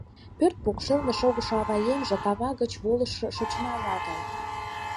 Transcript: Пӧрт покшелне шогышо аваемже — кава гыч волышо Шочынава гай.